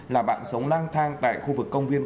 là bạn sống lang thang tại khu vực công viên